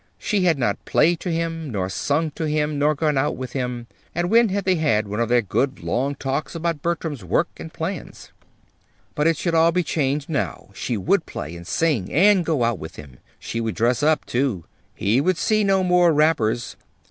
She had not played to him, nor sung to him, nor gone out with him. And when had they had one of their good long talks about Bertram's work and plans? But it should all be changed now. She would play, and sing, and go out with him. She would dress up, too. He should see no more wrappers.